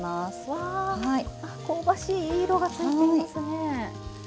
わあ香ばしいいい色がついていますねえ。